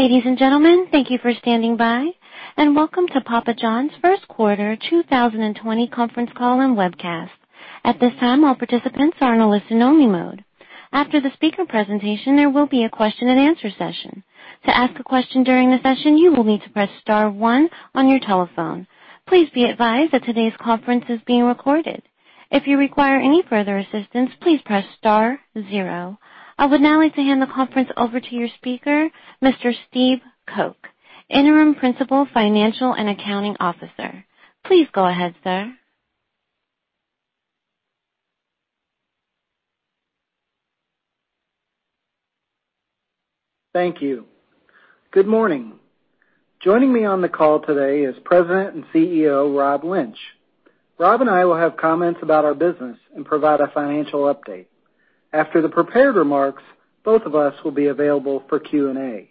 Ladies and gentlemen, thank you for standing by, and welcome to Papa John's First Quarter 2020 Conference Call and Webcast. At this time, all participants are in a listen-only mode. After the speaker presentation, there will be a question-and-answer session. To ask a question during the session, you will need to press star one on your telephone. Please be advised that today's conference is being recorded. If you require any further assistance, please press star zero. I would now like to hand the conference over to your speaker, Mr. Steve Coke, Interim Principal Financial and Accounting Officer. Please go ahead, sir. Thank you. Good morning. Joining me on the call today is President and CEO, Rob Lynch. Rob and I will have comments about our business and provide a financial update. After the prepared remarks, both of us will be available for Q&A.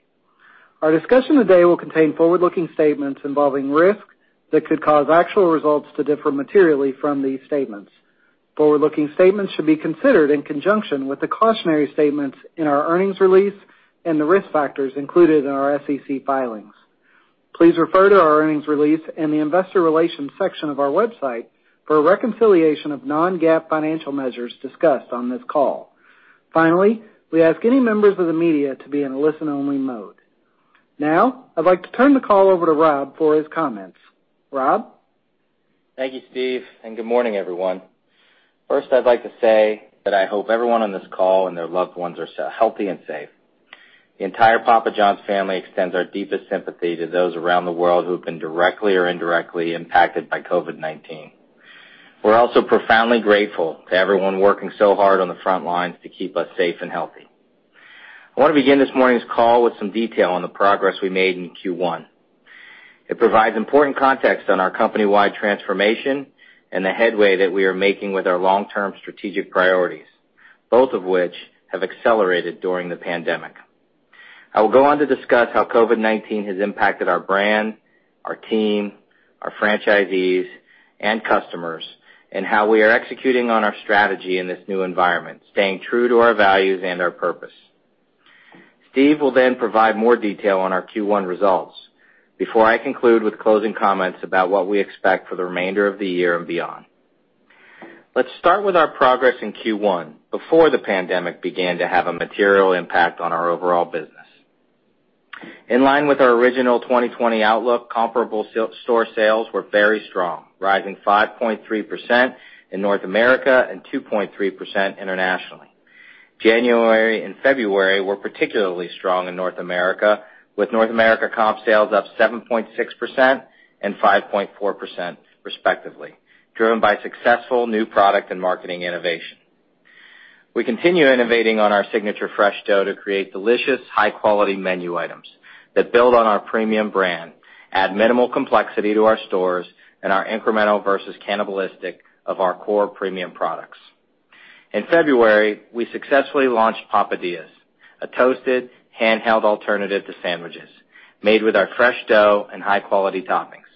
Our discussion today will contain forward-looking statements involving risks that could cause actual results to differ materially from these statements. Forward-looking statements should be considered in conjunction with the cautionary statements in our earnings release and the risk factors included in our SEC filings. Please refer to our earnings release in the investor relations section of our website for a reconciliation of non-GAAP financial measures discussed on this call. Finally, we ask any members of the media to be in a listen-only mode. Now, I'd like to turn the call over to Rob for his comments. Rob? Thank you, Steve, and good morning, everyone. First, I'd like to say that I hope everyone on this call and their loved ones are healthy and safe. The entire Papa John's family extends our deepest sympathy to those around the world who have been directly or indirectly impacted by COVID-19. We are also profoundly grateful to everyone working so hard on the front lines to keep us safe and healthy. I want to begin this morning's call with some detail on the progress we made in Q1. It provides important context on our company-wide transformation and the headway that we are making with our long-term strategic priorities, both of which have accelerated during the pandemic. I will go on to discuss how COVID-19 has impacted our brand, our team, our franchisees, and customers, and how we are executing on our strategy in this new environment, staying true to our values and our purpose. Steve will then provide more detail on our Q1 results before I conclude with closing comments about what we expect for the remainder of the year and beyond. Let's start with our progress in Q1 before the pandemic began to have a material impact on our overall business. In line with our original 2020 outlook, comparable store sales were very strong, rising 5.3% in North America and 2.3% internationally. January and February were particularly strong in North America, with North America comp sales up 7.6% and 5.4% respectively, driven by successful new product and marketing innovation. We continue innovating on our signature fresh dough to create delicious, high-quality menu items that build on our premium brand, add minimal complexity to our stores, and are incremental versus cannibalistic of our core premium products. In February, we successfully launched Papadias, a toasted handheld alternative to sandwiches made with our fresh dough and high-quality toppings.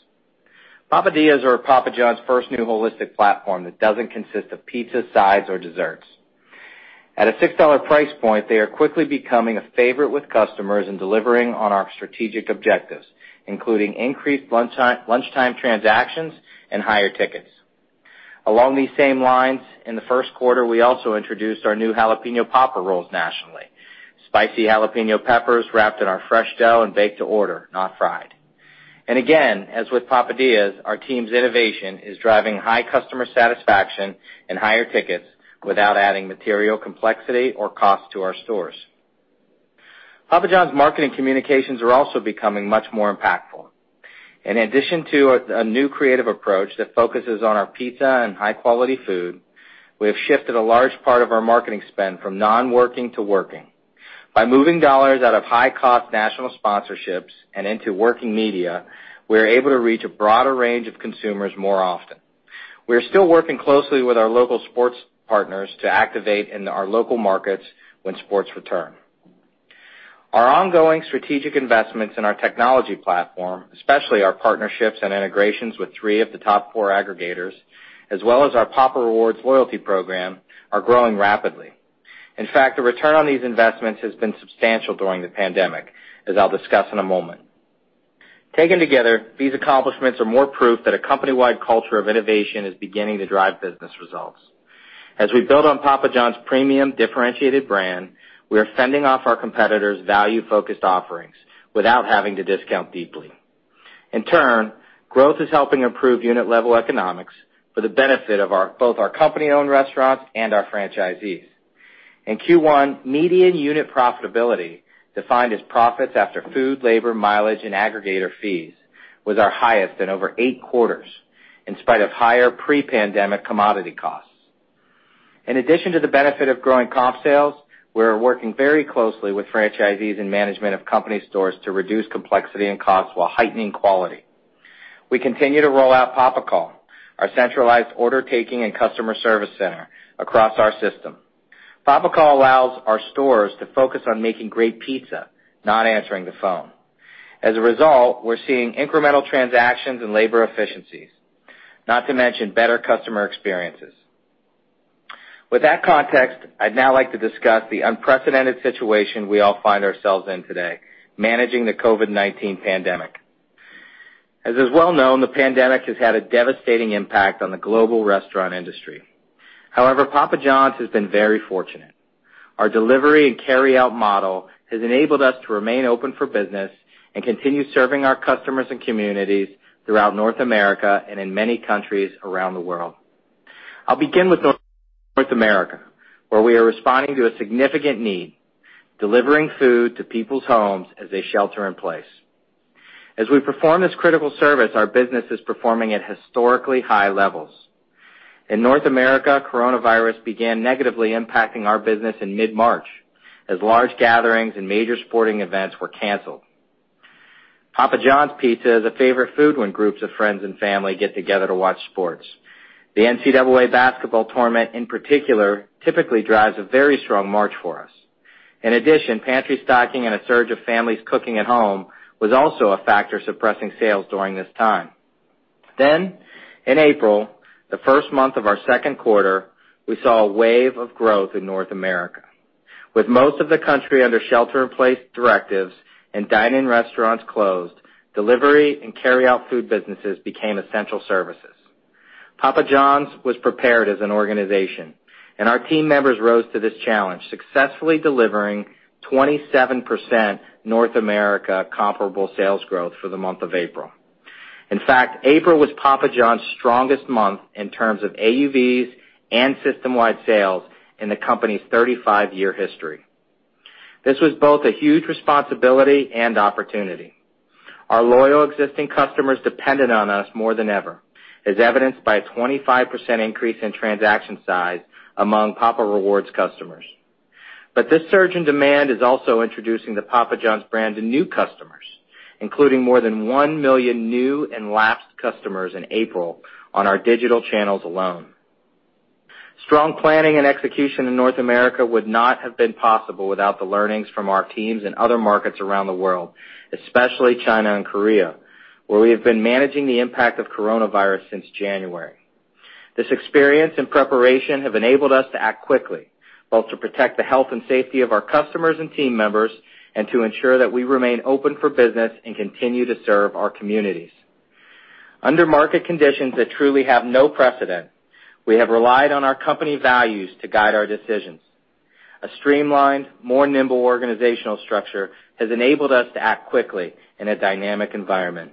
Papadias are Papa John's first new holistic platform that doesn't consist of pizza, sides, or desserts. At a $6 price point, they are quickly becoming a favorite with customers and delivering on our strategic objectives, including increased lunchtime transactions and higher tickets. Along these same lines, in the first quarter, we also introduced our new Jalapeño Popper Rolls, nationally. Spicy jalapeño peppers wrapped in our fresh dough and baked to order, not fried. Again, as with Papadias, our team's innovation is driving high customer satisfaction and higher tickets without adding material complexity or cost to our stores. Papa John's marketing communications are also becoming much more impactful. In addition to a new creative approach that focuses on our pizza and high-quality food, we have shifted a large part of our marketing spend from non-working to working. By moving dollars out of high-cost national sponsorships and into working media, we are able to reach a broader range of consumers more often. We are still working closely with our local sports partners to activate in our local markets when sports return. Our ongoing strategic investments in our technology platform, especially our partnerships and integrations with three of the top four aggregators, as well as our Papa Rewards loyalty program, are growing rapidly. In fact, the return on these investments has been substantial during the pandemic, as I'll discuss in a moment. Taken together, these accomplishments are more proof that a company-wide culture of innovation is beginning to drive business results. As we build on Papa John's premium differentiated brand, we are fending off our competitors' value-focused offerings without having to discount deeply. In turn, growth is helping improve unit-level economics for the benefit of both our company-owned restaurants and our franchisees. In Q1, median unit profitability, defined as profits after food, labor, mileage, and aggregator fees, was our highest in over eight quarters, in spite of higher pre-pandemic commodity costs. In addition to the benefit of growing comp sales, we are working very closely with franchisees and management of company stores to reduce complexity and cost while heightening quality. We continue to roll out PapaCall, our centralized order taking and customer service center across our system. PapaCall allows our stores to focus on making great pizza, not answering the phone. As a result, we're seeing incremental transactions and labor efficiencies, not to mention better customer experiences. With that context, I'd now like to discuss the unprecedented situation we all find ourselves in today, managing the COVID-19 pandemic. As is well known, the pandemic has had a devastating impact on the global restaurant industry. However, Papa John's has been very fortunate. Our delivery and carryout model has enabled us to remain open for business and continue serving our customers and communities throughout North America and in many countries around the world. I'll begin with North America, where we are responding to a significant need, delivering food to people's homes as they shelter in place. As we perform this critical service, our business is performing at historically high levels. In North America, COVID-19 began negatively impacting our business in mid-March, as large gatherings and major sporting events were canceled. Papa John's Pizza is a favorite food when groups of friends and family get together to watch sports. The NCAA basketball tournament, in particular, typically drives a very strong March for us. In addition, pantry stocking and a surge of families cooking at home was also a factor suppressing sales during this time. In April, the first month of our second quarter, we saw a wave of growth in North America. With most of the country under shelter in place directives and dine-in restaurants closed, delivery and carryout food businesses became essential services. Papa John's was prepared as an organization, our team members rose to this challenge, successfully delivering 27% North America comparable sales growth for the month of April. In fact, April was Papa John's strongest month in terms of AUVs and system-wide sales in the company's 35-year history. This was both a huge responsibility and opportunity. Our loyal existing customers depended on us more than ever, as evidenced by a 25% increase in transaction size among Papa Rewards customers. This surge in demand is also introducing the Papa John's brand to new customers, including more than 1 million new and lapsed customers in April on our digital channels alone. Strong planning and execution in North America would not have been possible without the learnings from our teams in other markets around the world, especially China and Korea, where we have been managing the impact of coronavirus since January. This experience and preparation have enabled us to act quickly, both to protect the health and safety of our customers and team members, and to ensure that we remain open for business and continue to serve our communities. Under market conditions that truly have no precedent, we have relied on our company values to guide our decisions. A streamlined, more nimble organizational structure has enabled us to act quickly in a dynamic environment.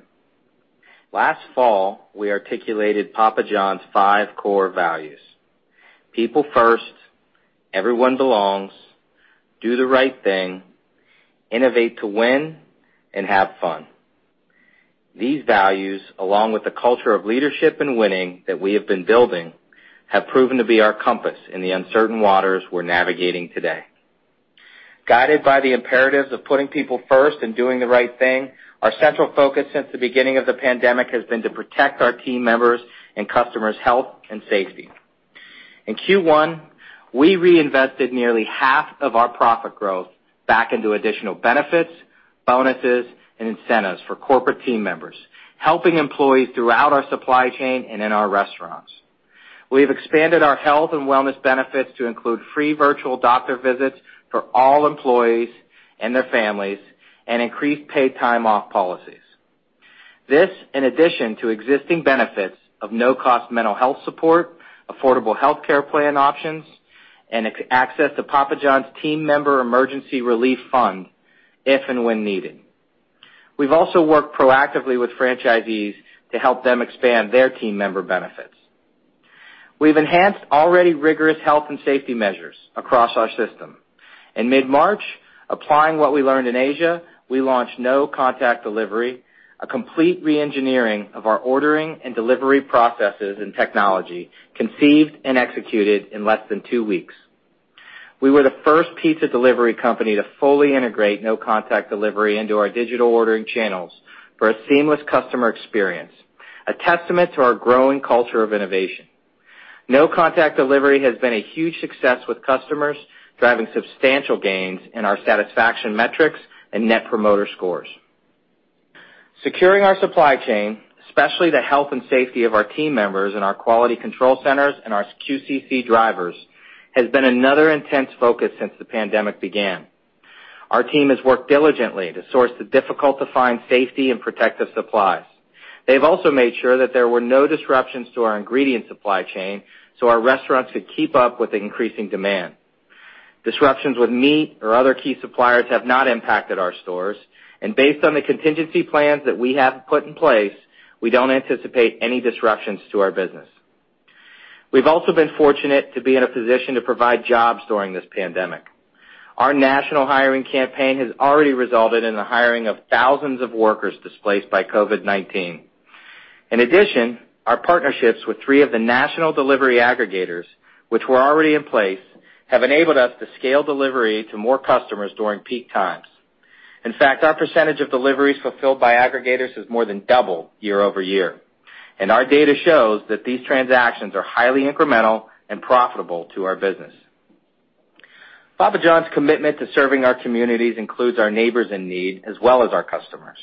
Last fall, we articulated Papa John's five core values. People first, everyone belongs, do the right thing, innovate to win, and have fun. These values, along with the culture of leadership and winning that we have been building, have proven to be our compass in the uncertain waters we're navigating today. Guided by the imperatives of putting people first and doing the right thing, our central focus since the beginning of the pandemic has been to protect our team members' and customers' health and safety. In Q1, we reinvested nearly half of our profit growth back into additional benefits, bonuses, and incentives for corporate team members, helping employees throughout our supply chain and in our restaurants. We've expanded our health and wellness benefits to include free virtual doctor visits for all employees and their families, and increased paid time off policies. This, in addition to existing benefits of no-cost mental health support, affordable healthcare plan options, and access to Papa John's Team Member Emergency Relief Fund, if and when needed. We've also worked proactively with franchisees to help them expand their team member benefits. We've enhanced already rigorous health and safety measures across our system. In mid-March, applying what we learned in Asia, we launched No Contact Delivery, a complete re-engineering of our ordering and delivery processes and technology, conceived and executed in less than two weeks. We were the first pizza delivery company to fully integrate No Contact Delivery into our digital ordering channels for a seamless customer experience, a testament to our growing culture of innovation. No Contact Delivery has been a huge success with customers, driving substantial gains in our satisfaction metrics and net promoter scores. Securing our supply chain, especially the health and safety of our team members in our quality control centers and our QCC drivers, has been another intense focus since the pandemic began. Our team has worked diligently to source the difficult-to-find safety and protective supplies. They've also made sure that there were no disruptions to our ingredient supply chain so our restaurants could keep up with the increasing demand. Disruptions with meat or other key suppliers have not impacted our stores, and based on the contingency plans that we have put in place, we don't anticipate any disruptions to our business. We've also been fortunate to be in a position to provide jobs during this pandemic. Our national hiring campaign has already resulted in the hiring of thousands of workers displaced by COVID-19. In addition, our partnerships with three of the national delivery aggregators, which were already in place, have enabled us to scale delivery to more customers during peak times. In fact, our percentage of deliveries fulfilled by aggregators has more than doubled year-over-year. Our data shows that these transactions are highly incremental and profitable to our business. Papa John's commitment to serving our communities includes our neighbors in need as well as our customers.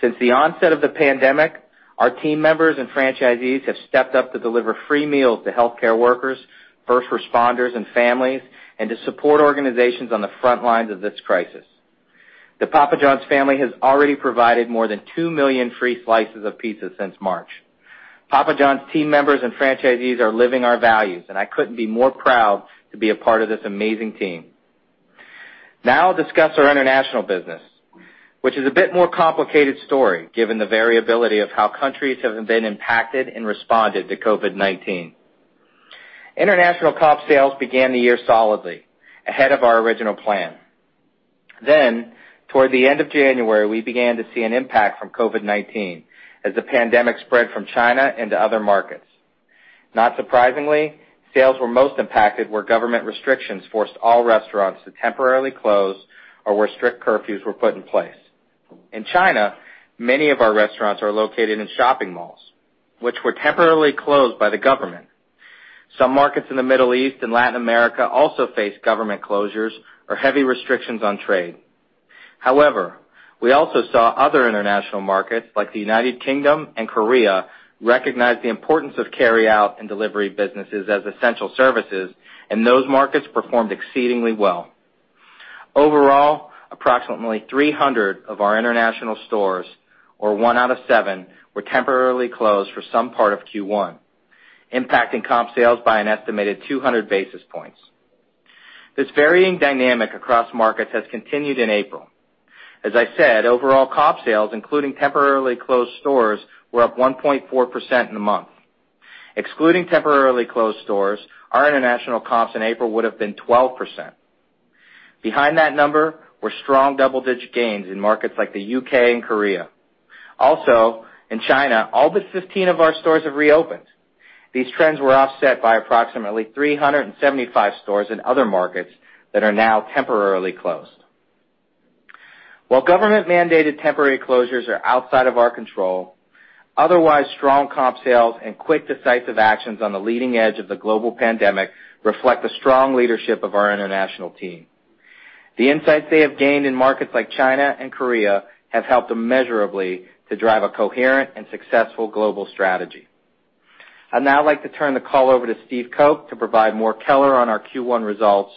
Since the onset of the pandemic, our team members and franchisees have stepped up to deliver free meals to healthcare workers, first responders, and families, and to support organizations on the front lines of this crisis. The Papa John's family has already provided more than 2 million free slices of pizza since March. Papa John's team members and franchisees are living our values, and I couldn’t be more proud to be a part of this amazing team. I’ll discuss our international business, which is a bit more complicated story given the variability of how countries have been impacted and responded to COVID-19. International comp sales began the year solidly, ahead of our original plan. Then toward the end of January, we began to see an impact from COVID-19 as the pandemic spread from China into other markets. Not surprisingly, sales were most impacted where government restrictions forced all restaurants to temporarily close or where strict curfews were put in place. In China, many of our restaurants are located in shopping malls, which were temporarily closed by the government. Some markets in the Middle East and Latin America also faced government closures or heavy restrictions on trade. However, we also saw other international markets, like the United Kingdom and Korea, recognize the importance of carryout and delivery businesses as essential services, and those markets performed exceedingly well. Overall, approximately 300 of our international stores, or one out of seven, were temporarily closed for some part of Q1, impacting comp sales by an estimated 200 basis points. This varying dynamic across markets has continued in April. As I said, overall comp sales, including temporarily closed stores, were up 1.4% in the month. Excluding temporarily closed stores, our international comps in April would have been 12%. Behind that number were strong double-digit gains in markets like the U.K. and Korea. Also, in China, all but 15 of our stores have reopened. These trends were offset by approximately 375 stores in other markets that are now temporarily closed. While government-mandated temporary closures are outside of our control, otherwise strong comp sales and quick decisive actions on the leading edge of the global pandemic reflect the strong leadership of our international team. The insights they have gained in markets like China and Korea have helped immeasurably to drive a coherent and successful global strategy. I’d now like to turn the call over to Steve Coke to provide more color on our Q1 results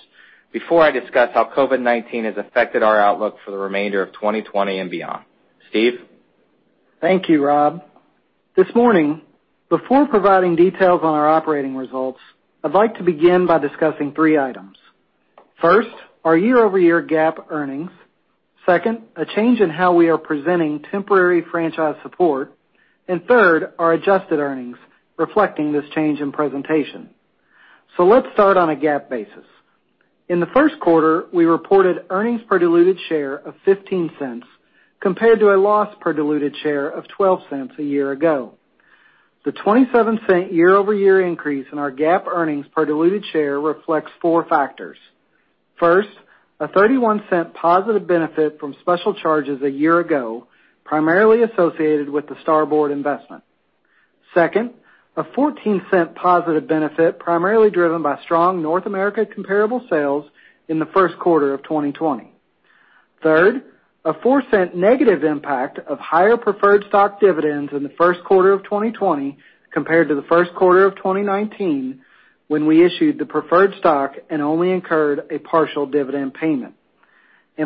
before I discuss how COVID-19 has affected our outlook for the remainder of 2020 and beyond. Steve? Thank you, Rob. This morning, before providing details on our operating results, I’d like to begin by discussing three items. First, our year-over-year GAAP earnings. Second, a change in how we are presenting temporary franchise support. Third, our adjusted earnings reflecting this change in presentation. Let’s start on a GAAP basis. In the first quarter, we reported earnings per diluted share of $0.15 compared to a loss per diluted share of $0.12 a year ago. The $0.27 year-over-year increase in our GAAP earnings per diluted share reflects four factors. First, a $0.31 positive benefit from special charges a year ago, primarily associated with the Starboard investment. Second, a $0.14 positive benefit primarily driven by strong North America comparable sales in the first quarter of 2020. Third, a $0.04 negative impact of higher preferred stock dividends in the first quarter of 2020 compared to the first quarter of 2019, when we issued the preferred stock and only incurred a partial dividend payment.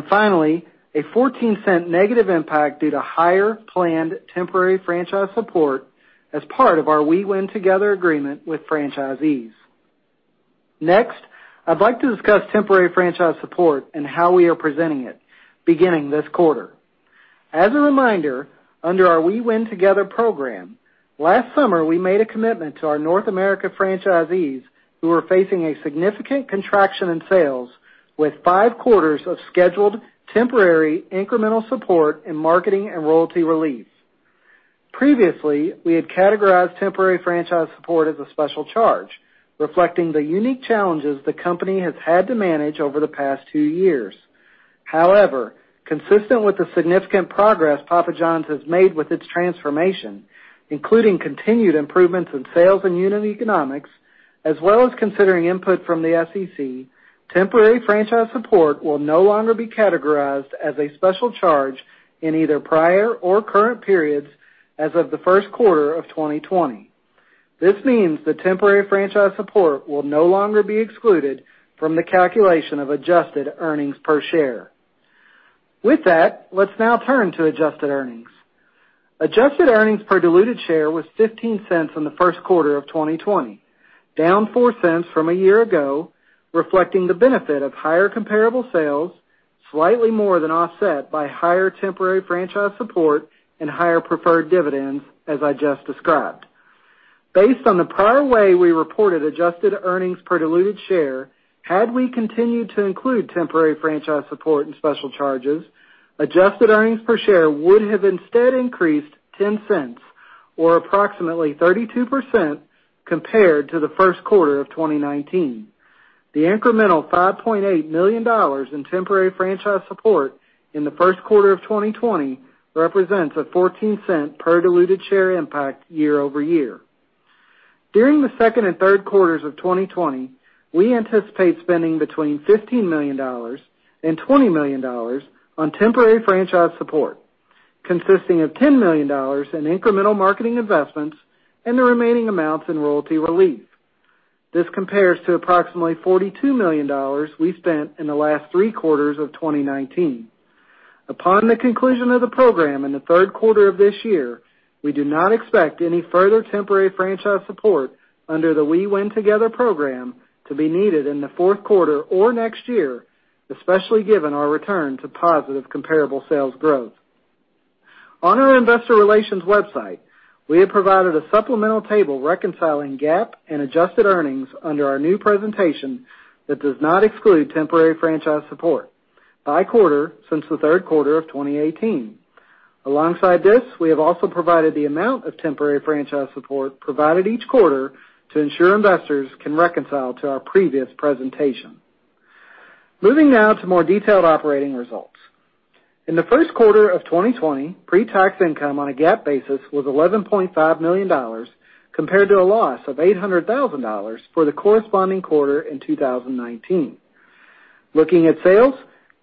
Finally, a $0.14 negative impact due to higher planned temporary franchise support as part of our We Win Together agreement with franchisees. Next, I’d like to discuss temporary franchise support and how we are presenting it beginning this quarter. As a reminder, under our We Win Together program, last summer, we made a commitment to our North America franchisees who were facing a significant contraction in sales with five quarters of scheduled temporary incremental support in marketing and royalty relief. Previously, we had categorized temporary franchise support as a special charge, reflecting the unique challenges the company has had to manage over the past two years. However, consistent with the significant progress Papa John’s has made with its transformation, including continued improvements in sales and unit economics, as well as considering input from the SEC, temporary franchise support will no longer be categorized as a special charge in either prior or current periods as of the first quarter of 2020. This means the temporary franchise support will no longer be excluded from the calculation of adjusted earnings per share. With that, let’s now turn to adjusted earnings. Adjusted earnings per diluted share was $0.15 in the first quarter of 2020, down $0.04 from a year ago, reflecting the benefit of higher comparable sales, slightly more than offset by higher temporary franchise support and higher preferred dividends, as I just described. Based on the prior way we reported adjusted earnings per diluted share, had we continued to include temporary franchise support and special charges, adjusted earnings per share would have instead increased $0.10, or approximately 32% compared to the first quarter of 2019. The incremental $5.8 million in temporary franchise support in the first quarter of 2020 represents a $0.14 per diluted share impact year-over-year. During the second and third quarters of 2020, we anticipate spending between $15 million-$20 million on temporary franchise support, consisting of $10 million in incremental marketing investments and the remaining amounts in royalty relief. This compares to approximately $42 million we spent in the last three quarters of 2019. Upon the conclusion of the program in the third quarter of this year, we do not expect any further temporary franchise support under the We Win Together program to be needed in the fourth quarter or next year, especially given our return to positive comparable sales growth. On our investor relations website, we have provided a supplemental table reconciling GAAP and adjusted earnings under our new presentation that does not exclude temporary franchise support by quarter since the third quarter of 2018. Alongside this, we have also provided the amount of temporary franchise support provided each quarter to ensure investors can reconcile to our previous presentation. Moving now to more detailed operating results. In the first quarter of 2020, pre-tax income on a GAAP basis was $11.5 million, compared to a loss of $800,000 for the corresponding quarter in 2019. Looking at sales,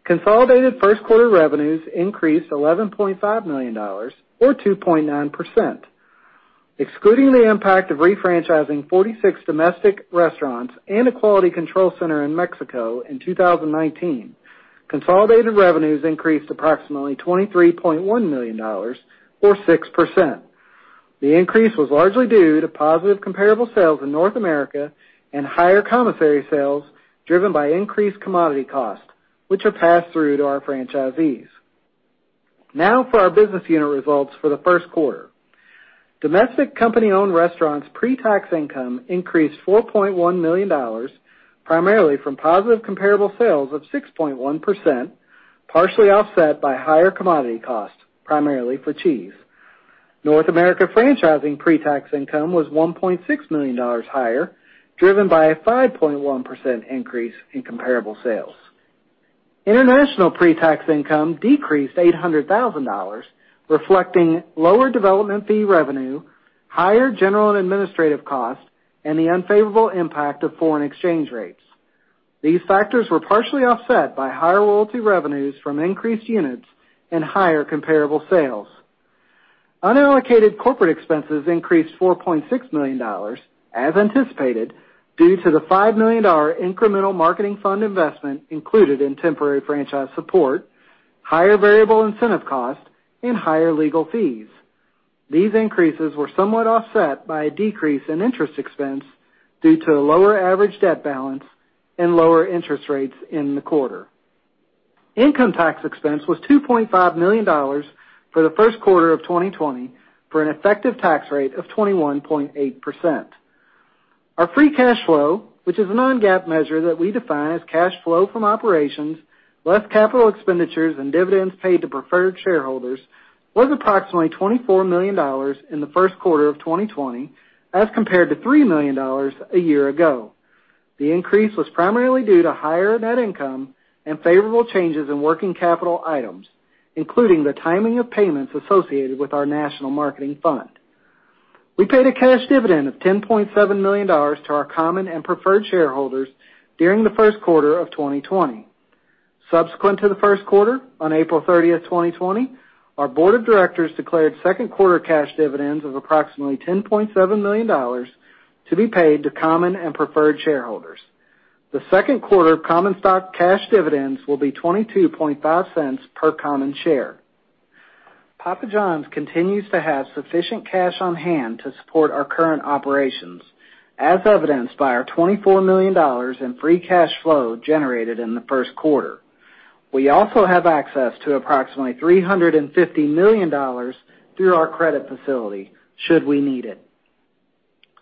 consolidated first quarter revenues increased $11.5 million or 2.9%. Excluding the impact of refranchising 46 domestic restaurants and a quality control center in Mexico in 2019, consolidated revenues increased approximately $23.1 million or 6%. The increase was largely due to positive comparable sales in North America and higher commissary sales driven by increased commodity costs, which are passed through to our franchisees. Now for our business unit results for the first quarter. Domestic company-owned restaurants' pre-tax income increased $4.1 million, primarily from positive comparable sales of 6.1%, partially offset by higher commodity costs, primarily for cheese. North America franchising pre-tax income was $1.6 million higher, driven by a 5.1% increase in comparable sales. International pre-tax income decreased $800,000, reflecting lower development fee revenue, higher general and administrative costs, and the unfavorable impact of foreign exchange rates. These factors were partially offset by higher royalty revenues from increased units and higher comparable sales. Unallocated corporate expenses increased $4.6 million, as anticipated, due to the $5 million incremental marketing fund investment included in temporary franchise support, higher variable incentive costs, and higher legal fees. These increases were somewhat offset by a decrease in interest expense due to a lower average debt balance and lower interest rates in the quarter. Income tax expense was $2.5 million for the first quarter of 2020 for an effective tax rate of 21.8%. Our free cash flow, which is a non-GAAP measure that we define as cash flow from operations, less capital expenditures and dividends paid to preferred shareholders, was approximately $24 million in the first quarter of 2020 as compared to $3 million a year ago. The increase was primarily due to higher net income and favorable changes in working capital items, including the timing of payments associated with our national marketing fund. We paid a cash dividend of $10.7 million to our common and preferred shareholders during the first quarter of 2020. Subsequent to the first quarter, on April 30th, 2020, our board of directors declared second quarter cash dividends of approximately $10.7 million to be paid to common and preferred shareholders. The second quarter common stock cash dividends will be $0.225 per common share. Papa John's continues to have sufficient cash on hand to support our current operations, as evidenced by our $24 million in free cash flow generated in the first quarter. We also have access to approximately $350 million through our credit facility, should we need it.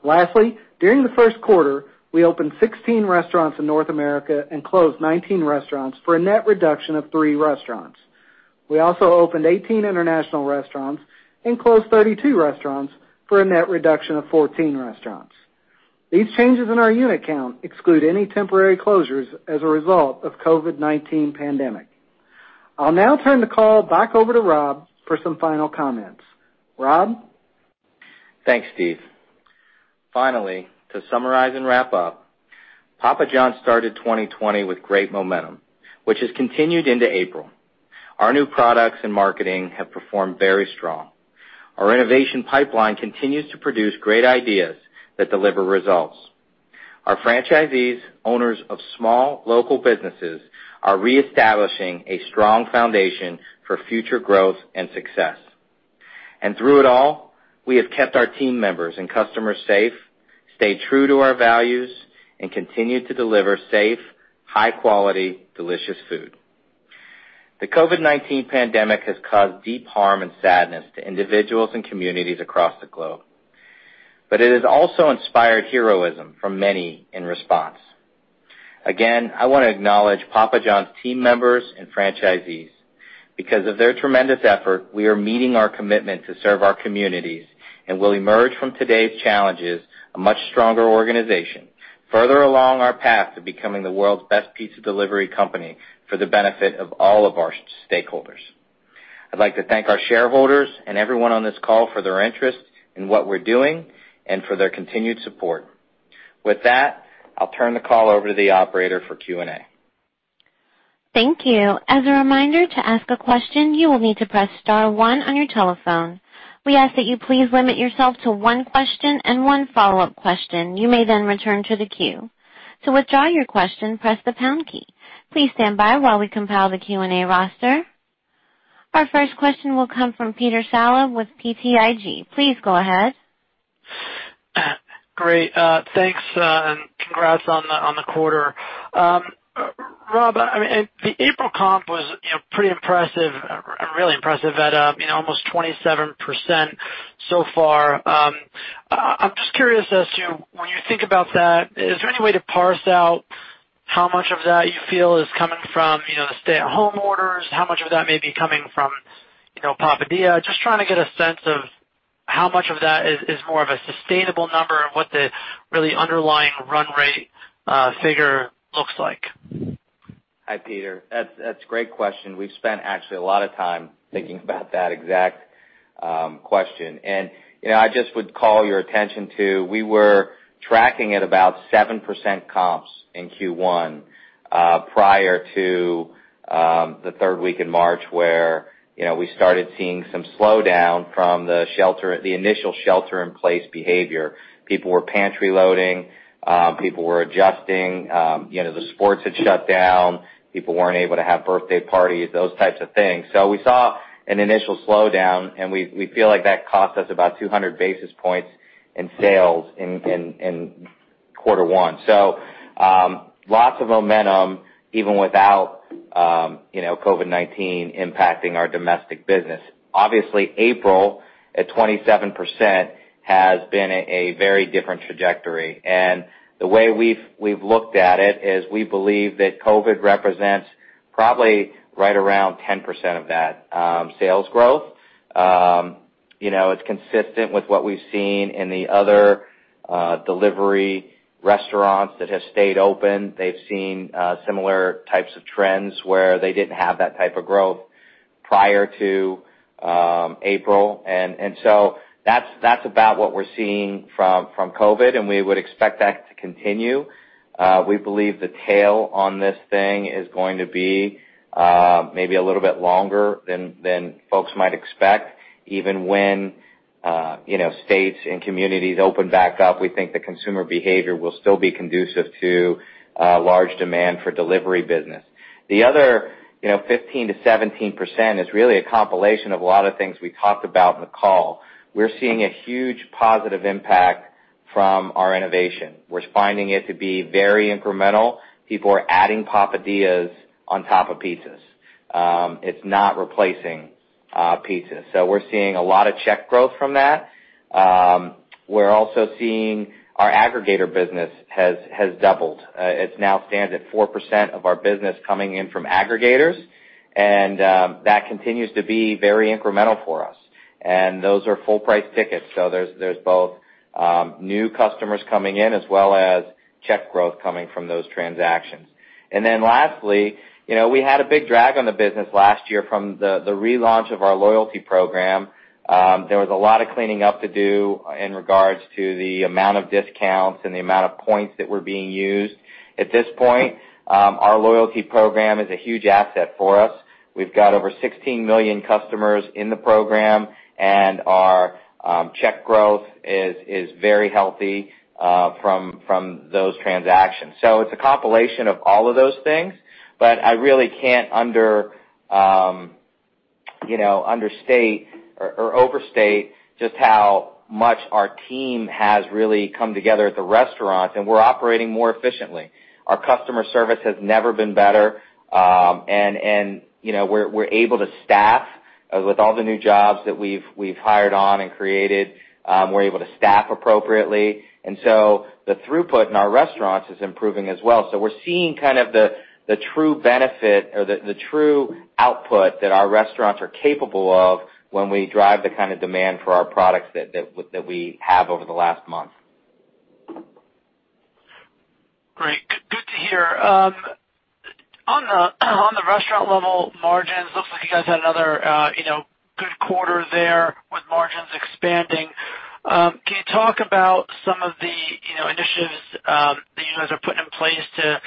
Lastly, during the first quarter, we opened 16 restaurants in North America and closed 19 restaurants for a net reduction of three restaurants. We also opened 18 international restaurants and closed 32 restaurants for a net reduction of 14 restaurants. These changes in our unit count exclude any temporary closures as a result of COVID-19 pandemic. I'll now turn the call back over to Rob for some final comments. Rob? Thanks, Steve. Finally, to summarize and wrap up, Papa John's started 2020 with great momentum, which has continued into April. Our new products and marketing have performed very strong. Our innovation pipeline continues to produce great ideas that deliver results. Our franchisees, owners of small, local businesses, are reestablishing a strong foundation for future growth and success. Through it all, we have kept our team members and customers safe, stayed true to our values, and continued to deliver safe, high-quality, delicious food. The COVID-19 pandemic has caused deep harm and sadness to individuals and communities across the globe, it has also inspired heroism from many in response. Again, I want to acknowledge Papa John's team members and franchisees. Because of their tremendous effort, we are meeting our commitment to serve our communities and will emerge from today's challenges a much stronger organization, further along our path to becoming the world's best pizza delivery company for the benefit of all of our stakeholders. I'd like to thank our shareholders and everyone on this call for their interest in what we're doing and for their continued support. With that, I'll turn the call over to the operator for Q&A. Thank you. As a reminder, to ask a question, you will need to press star one on your telephone. We ask that you please limit yourself to one question and one follow-up question. You may return to the queue. To withdraw your question, press the pound key. Please stand by while we compile the Q&A roster. Our first question will come from Peter Saleh with BTIG. Please go ahead. Great. Thanks, congrats on the quarter. Rob, the April comp was pretty impressive, really impressive, at almost 27% so far. I'm just curious as to, when you think about that, is there any way to parse out how much of that you feel is coming from the stay-at-home orders? How much of that may be coming from Papadias? Just trying to get a sense of how much of that is more of a sustainable number and what the really underlying run rate figure looks like. Hi, Peter. That's a great question. We've spent actually a lot of time thinking about that exact question. I just would call your attention to, we were tracking at about 7% comps in Q1, prior to the third week in March where we started seeing some slowdown from the initial shelter-in-place behavior. People were pantry loading. People were adjusting. The sports had shut down. People weren't able to have birthday parties, those types of things. We saw an initial slowdown, and we feel like that cost us about 200 basis points in sales in quarter one. Lots of momentum even without COVID-19 impacting our domestic business. Obviously, April, at 27%, has been a very different trajectory. The way we've looked at it is we believe that COVID represents probably right around 10% of that sales growth. It's consistent with what we've seen in the other delivery restaurants that have stayed open. They've seen similar types of trends where they didn't have that type of growth prior to April. That's about what we're seeing from COVID, and we would expect that to continue. We believe the tail on this thing is going to be maybe a little bit longer than folks might expect, even when states and communities open back up. We think the consumer behavior will still be conducive to large demand for delivery business. The other 15%-17% is really a compilation of a lot of things we talked about in the call. We're seeing a huge positive impact from our innovation. We're finding it to be very incremental. People are adding Papadias on top of pizzas. It's not replacing pizzas. We're seeing a lot of check growth from that. We're also seeing our aggregator business has doubled. It now stands at 4% of our business coming in from aggregators, and that continues to be very incremental for us. Those are full-price tickets, so there's both new customers coming in as well as check growth coming from those transactions. Then lastly, we had a big drag on the business last year from the relaunch of our loyalty program. There was a lot of cleaning up to do in regards to the amount of discounts and the amount of points that were being used. At this point, our loyalty program is a huge asset for us. We've got over 16 million customers in the program, and our check growth is very healthy from those transactions. It's a compilation of all of those things, but I really can't understate or overstate just how much our team has really come together at the restaurants, and we're operating more efficiently. Our customer service has never been better. We're able to staff with all the new jobs that we've hired on and created. We're able to staff appropriately. The throughput in our restaurants is improving as well. We're seeing the true benefit or the true output that our restaurants are capable of when we drive the kind of demand for our products that we have over the last month. Great. Good to hear. On the restaurant level margins, looks like you guys had another good quarter there with margins expanding. Can you talk about some of the initiatives that you guys are putting in place to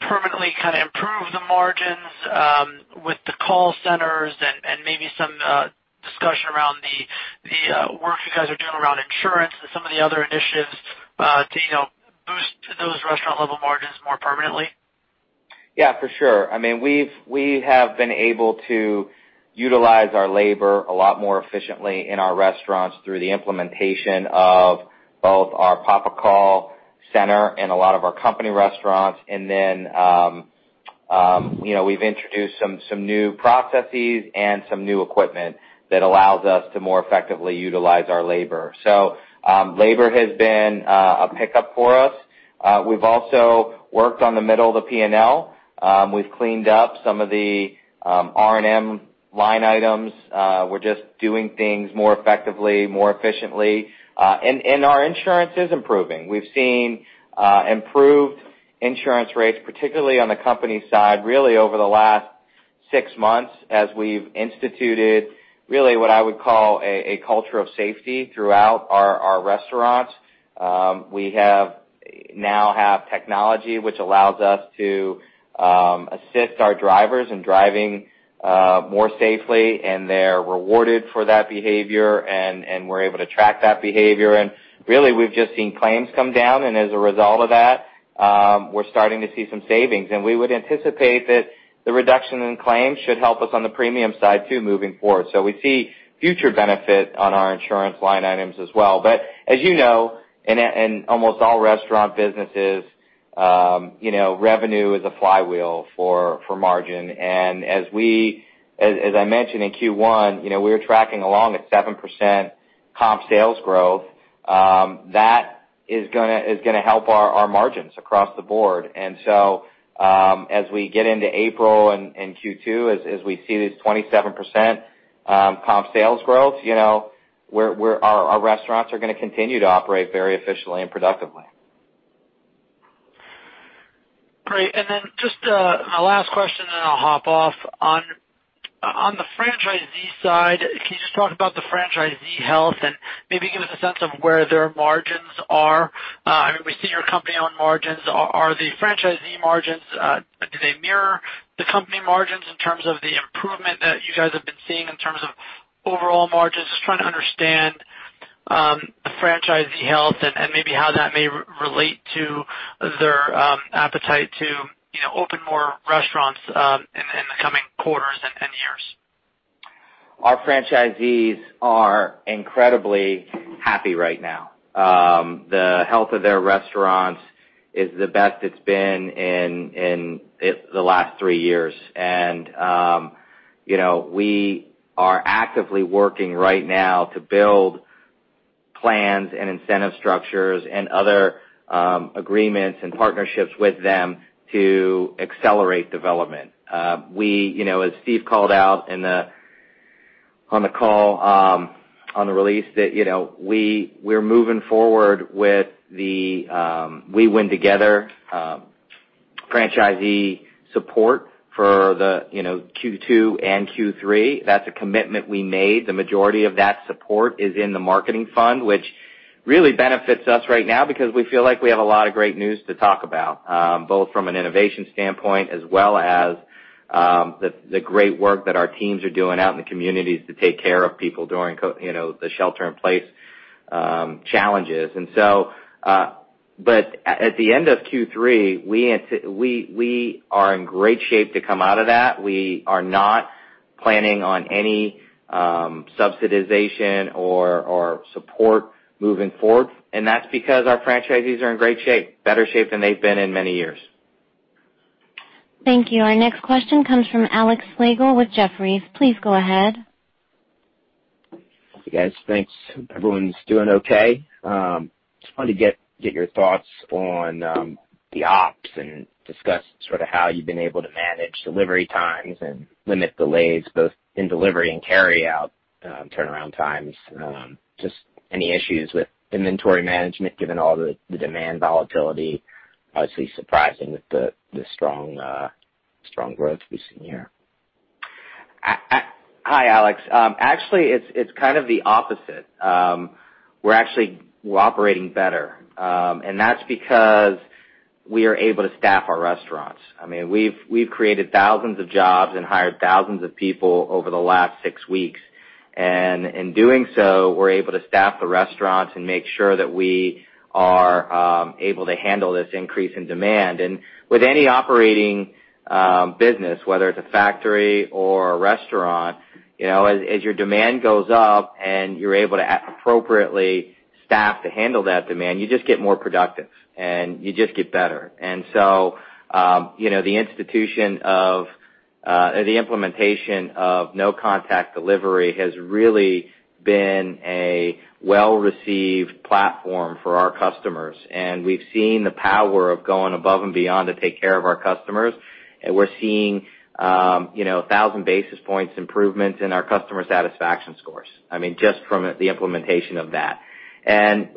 permanently improve the margins with the call centers and maybe some discussion around the work you guys are doing around insurance and some of the other initiatives to boost those restaurant level margins more permanently? Yeah. For sure. I mean, we have been able to utilize our labor a lot more efficiently in our restaurants through the implementation of both our PapaCall center and a lot of our company restaurants. Then we've introduced some new processes and some new equipment that allows us to more effectively utilize our labor. Labor has been a pickup for us. We've also worked on the middle of the P&L. We've cleaned up some of the R&M line items. We're just doing things more effectively, more efficiently. Our insurance is improving. We've seen improved insurance rates, particularly on the company side, really over the last six months as we've instituted really what I would call a culture of safety throughout our restaurants. We now have technology which allows us to assist our drivers in driving more safely, and they're rewarded for that behavior, and we're able to track that behavior. Really we've just seen claims come down, and as a result of that, we're starting to see some savings. We would anticipate that the reduction in claims should help us on the premium side too, moving forward. We see future benefit on our insurance line items as well. As you know, in almost all restaurant businesses, revenue is a flywheel for margin. As I mentioned in Q1, we were tracking along at 7% comp sales growth. That is going to help our margins across the board. As we get into April and Q2, as we see these 27% comp sales growth, our restaurants are going to continue to operate very efficiently and productively. Great. Then just my last question, then I'll hop off. On the franchisee side, can you just talk about the franchisee health and maybe give us a sense of where their margins are? I mean, we see your company on margins. Are the franchisee margins, do they mirror the company margins in terms of the improvement that you guys have been seeing in terms of overall margins? Just trying to understand the franchisee health and maybe how that may relate to their appetite to open more restaurants in the coming quarters and years. Our franchisees are incredibly happy right now. The health of their restaurants is the best it's been in the last three years. We are actively working right now to build plans and incentive structures and other agreements and partnerships with them to accelerate development. As Steve called out on the call, on the release, that we were moving forward with the We Win Together franchisee support for the Q2 and Q3. That's a commitment we made. The majority of that support is in the marketing fund, which really benefits us right now because we feel like we have a lot of great news to talk about, both from an innovation standpoint, as well as the great work that our teams are doing out in the communities to take care of people during the shelter in-place challenges. At the end of Q3, we are in great shape to come out of that. We are not planning on any subsidization or support moving forward, and that's because our franchisees are in great shape, better shape than they've been in many years. Thank you. Our next question comes from Alex Slagle with Jefferies. Please go ahead. Hey, guys. Thanks. Everyone's doing okay? Just wanted to get your thoughts on the ops and discuss, sort of how you've been able to manage delivery times and limit delays, both in delivery and carryout turnaround times. Just any issues with inventory management given all the demand volatility, obviously surprising with the strong growth we've seen here. Hi, Alex. Actually, it's kind of the opposite. We're actually, we're operating better, that's because we are able to staff our restaurants. I mean, we've created thousands of jobs and hired thousands of people over the last six weeks. In doing so, we're able to staff the restaurants and make sure that we are able to handle this increase in demand. With any operating business, whether it's a factory or a restaurant, as your demand goes up and you're able to appropriately staff to handle that demand, you just get more productive, and you just get better. The implementation of No Contact Delivery has really been a well-received platform for our customers, and we've seen the power of going above and beyond to take care of our customers. We're seeing 1,000 basis points improvements in our customer satisfaction scores, I mean, just from the implementation of that.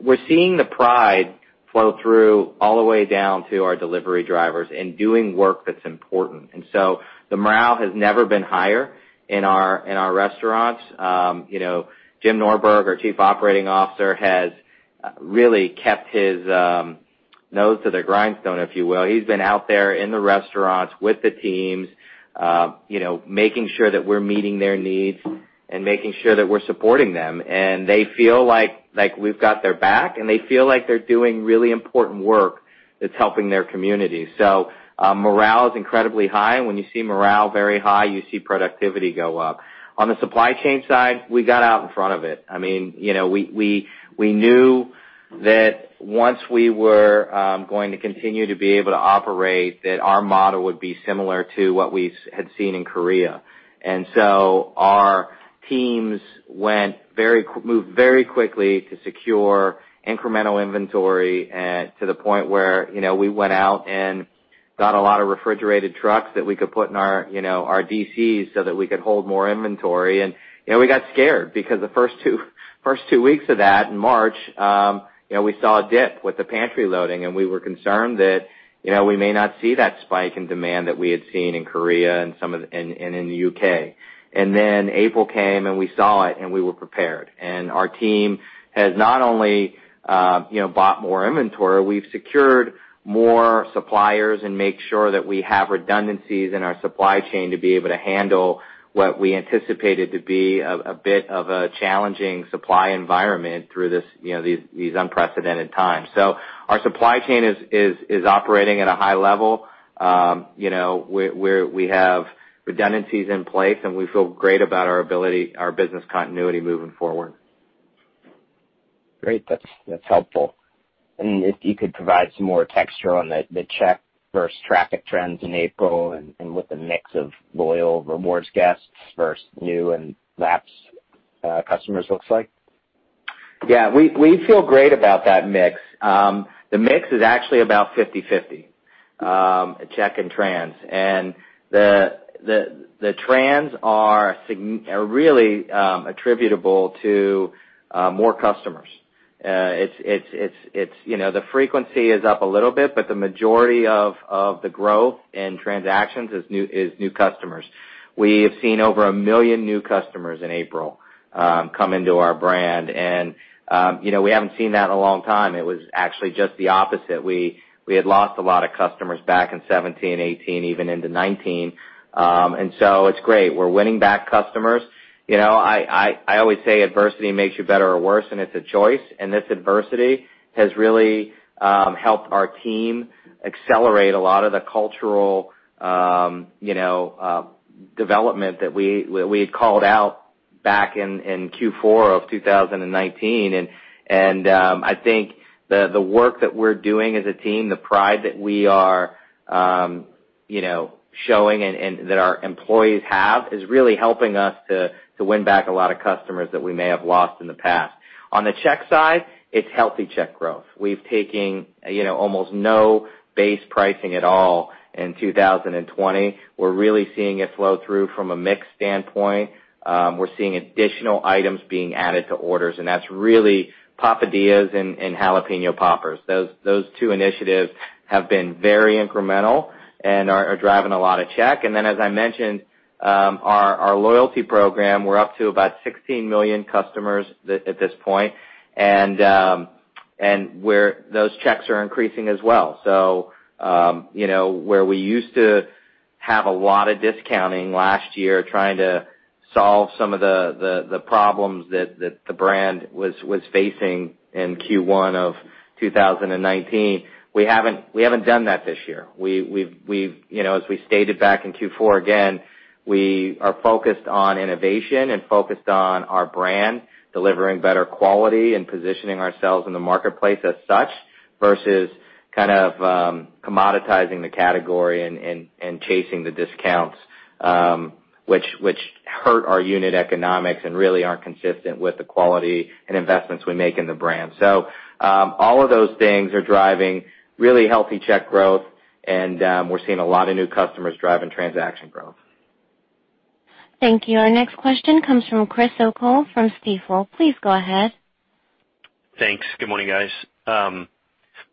We're seeing the pride flow through all the way down to our delivery drivers in doing work that's important. The morale has never been higher in our restaurants. Jim Norberg, our Chief Operating Officer, has really kept his nose to the grindstone, if you will. He's been out there in the restaurants with the teams making sure that we're meeting their needs and making sure that we're supporting them. They feel like we've got their back, and they feel like they're doing really important work that's helping their community. Morale is incredibly high, and when you see morale very high, you see productivity go up. On the supply chain side, we got out in front of it. I mean, we knew that once we were going to continue to be able to operate, that our model would be similar to what we had seen in Korea. Our teams moved very quickly to secure incremental inventory to the point where we went out and got a lot of refrigerated trucks that we could put in our DCs so that we could hold more inventory. We got scared because the first two weeks of that in March, we saw a dip with the pantry loading. We were concerned that we may not see that spike in demand that we had seen in Korea and in the U.K. Then April came, and we saw it, and we were prepared. Our team has not only bought more inventory, we've secured more suppliers and make sure that we have redundancies in our supply chain to be able to handle what we anticipated to be a bit of a challenging supply environment through these unprecedented times. Our supply chain is operating at a high level. We have redundancies in place, and we feel great about our ability, our business continuity moving forward. Great. That's helpful. If you could provide some more texture on the check versus traffic trends in April and what the mix of loyal rewards guests versus new and lapsed customers looks like? Yeah. We feel great about that mix. The mix is actually about 50/50, check, and trans. The trans are really attributable to more customers. The frequency is up a little bit, but the majority of the growth in transactions is new customers. We have seen over 1 million new customers in April come into our brand, and we haven't seen that in a long time. It was actually just the opposite. We had lost a lot of customers back in 2017, 2018, even into 2019. It's great. We're winning back customers. I always say adversity makes you better or worse, and it's a choice. This adversity has really helped our team accelerate a lot of the cultural development that we had called out back in Q4 of 2019. I think the work that we're doing as a team, the pride that we are showing and that our employees have, is really helping us to win back a lot of customers that we may have lost in the past. On the check side, it's healthy check growth. We've taken almost no base pricing at all in 2020. We're really seeing it flow through from a mix standpoint. We're seeing additional items being added to orders, and that's really Papadias and Jalapeño Poppers. Those two initiatives have been very incremental and are driving a lot of check. Then, as I mentioned, our loyalty program, we're up to about 16 million customers at this point, and those checks are increasing as well. Where we used to have a lot of discounting last year, trying to solve some of the problems that the brand was facing in Q1 of 2019, we haven't done that this year. As we stated back in Q4, again, we are focused on innovation and focused on our brand, delivering better quality and positioning ourselves in the marketplace as such, versus kind of commoditizing the category and chasing the discounts, which hurt our unit economics and really aren't consistent with the quality and investments we make in the brand. All of those things are driving really healthy check growth, and we're seeing a lot of new customers driving transaction growth. Thank you. Our next question comes from Chris O'Cull from Stifel. Please go ahead. Thanks. Good morning, guys.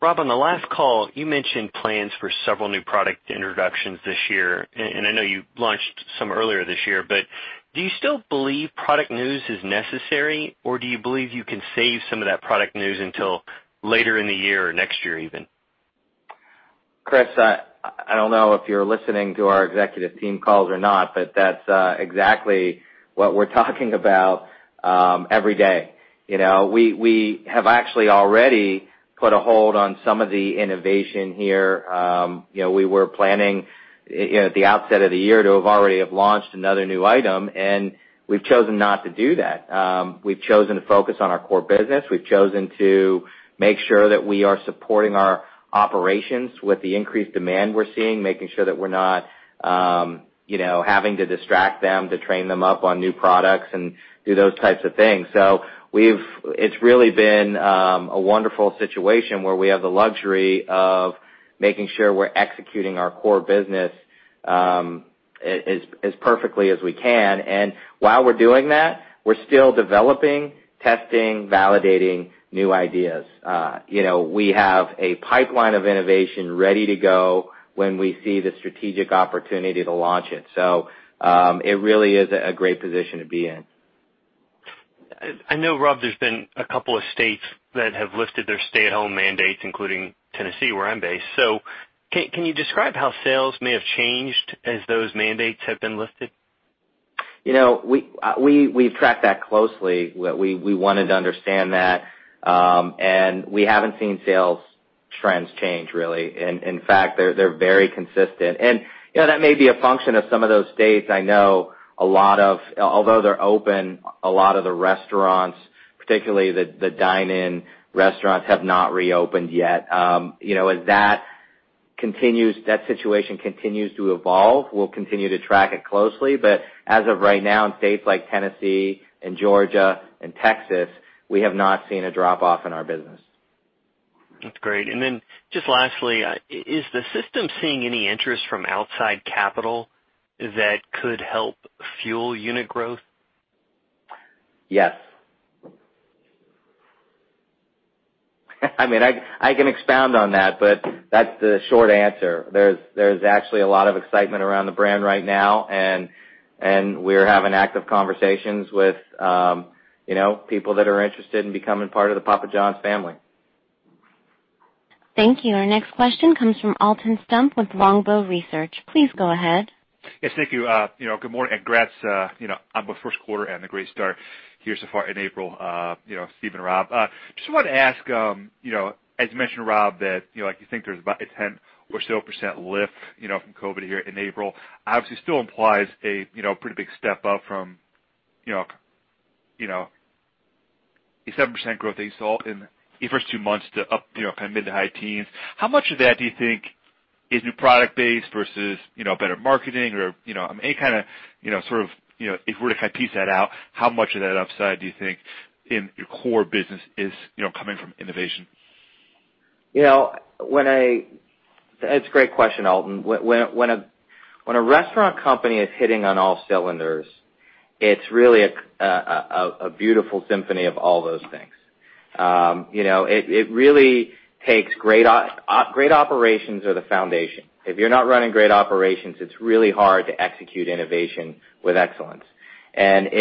Rob, on the last call, you mentioned plans for several new product introductions this year, and I know you launched some earlier this year, but do you still believe product news is necessary? Or do you believe you can save some of that product news until later in the year or next year even? Chris, I don't know if you're listening to our executive team calls or not, but that's exactly what we're talking about every day. We have actually already put a hold on some of the innovation here. We were planning at the outset of the year to have already have launched another new item, and we've chosen not to do that. We've chosen to focus on our core business. We've chosen to make sure that we are supporting our operations with the increased demand we're seeing, making sure that we're not having to distract them to train them up on new products and do those types of things. It's really been a wonderful situation where we have the luxury of making sure we're executing our core business as perfectly as we can. While we're doing that, we're still developing, testing, validating new ideas. We have a pipeline of innovation ready to go when we see the strategic opportunity to launch it. It really is a great position to be in. I know, Rob, there's been a couple of states that have lifted their stay-at-home mandates, including Tennessee, where I'm based. Can you describe how sales may have changed as those mandates have been lifted? We've tracked that closely. We wanted to understand that. We haven't seen sales trends change, really. In fact, they're very consistent. That may be a function of some of those states. I know although they're open, a lot of the restaurants, particularly the dine-in restaurants, have not reopened yet. As that situation continues to evolve, we'll continue to track it closely, but as of right now, in states like Tennessee and Georgia and Texas, we have not seen a drop-off in our business. That's great. Then just lastly, is the system seeing any interest from outside capital that could help fuel unit growth? Yes. I mean, I can expound on that, but that's the short answer. There's actually a lot of excitement around the brand right now, and we're having active conversations with people that are interested in becoming part of the Papa John's family. Thank you. Our next question comes from Alton Stump with Longbow Research. Please go ahead. Yes, thank you. Good morning. Congrats on the first quarter and the great start here so far in April, Steve and Rob. Just wanted to ask, as you mentioned, Rob, that you think there's about a 10% or so lift from COVID here in April, obviously still implies a pretty big step up from a 7% growth that you saw in the first two months to up mid to high teens. How much of that do you think is new product base versus better marketing or any kind of sort of, if we were to piece that out, how much of that upside do you think in your core business is coming from innovation? That's a great question, Alton. When a restaurant company is hitting on all cylinders, it's really a beautiful symphony of all those things. Great operations are the foundation. If you're not running great operations, it's really hard to execute innovation with excellence. When